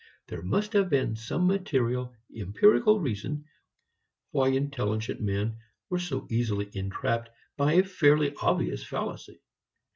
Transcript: There must have been some material, empirical reason why intelligent men were so easily entrapped by a fairly obvious fallacy.